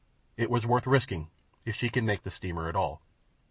It was worth risking—if she could make the steamer at all.